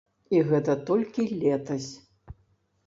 І гэта толькі летась.